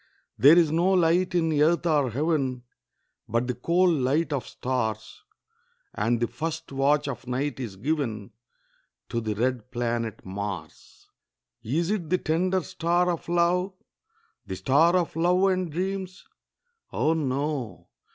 There is no light in earth or heaven, But the cold light of stars; And the first watch of night is given To the red planet Mars. Is it the tender star of love? The star of love and dreams? Oh, no!